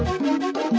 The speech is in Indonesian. ada hal suatu